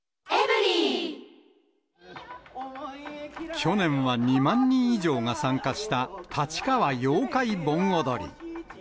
去年は２万人以上が参加したたちかわ妖怪盆踊り。